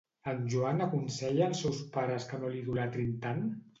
En Joan aconsella als seus pares que no l'idolatrin tant?